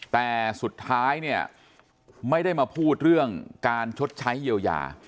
แต่สุดท้ายเนี่ยไม่ได้มาพูดเรื่องการชดใช้เยียวยา